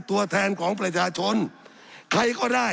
สับขาหลอกกันไปสับขาหลอกกันไป